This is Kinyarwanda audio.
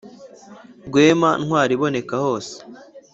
rwema ntwari iboneka hose,